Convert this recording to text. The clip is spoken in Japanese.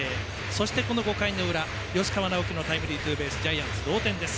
そして、この５回の裏吉川尚輝のタイムリーツーベースジャイアンツ同点です。